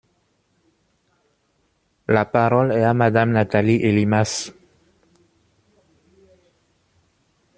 La parole est à Madame Nathalie Elimas.